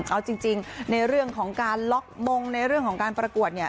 เอาจริงในเรื่องของการล็อกมงในเรื่องของการประกวดเนี่ย